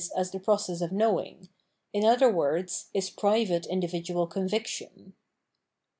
as the process of knowing, in other words, is private individual conviction.